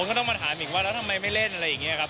ก็ต้องมาถามอีกว่าแล้วทำไมไม่เล่นอะไรอย่างนี้ครับ